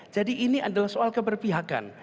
jadi ini adalah soal keberpihakan